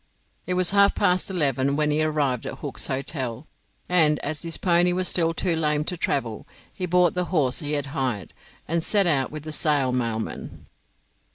It was half past eleven when he arrived at Hook's Hotel, and, as his pony was still too lame to travel, he bought the horse he had hired, and set out with the Sale mailman.